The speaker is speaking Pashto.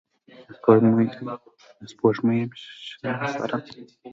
د سپوږمۍ یم شرمساره